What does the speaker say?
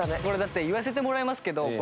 これだって言わせてもらいますけど。